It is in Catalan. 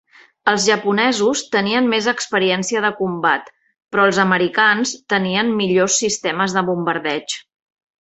Els japonesos tenien més experiència de combat, però els americans tenien millors sistemes de bombardeig.